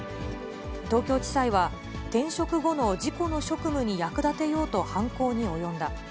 東京地裁は、転職後の自己の職務に役立てようと犯行に及んだ。